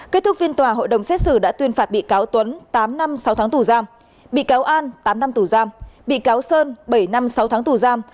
kết thúc phiên tòa hội đồng xét xử đã tuyên phạt bị cáo tuấn tám năm sáu tháng tù giam bị cáo an tám năm tù giam bị cáo sơn bảy năm sáu tháng tù giam